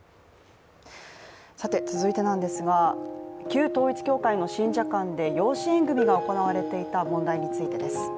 旧統一教会の信者間で養子縁組が行われたいた問題についてです。